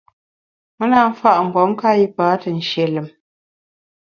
Me na mfa’ mgbom nka yipa te nshie lùm.